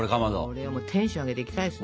これはテンション上げていきたいですね。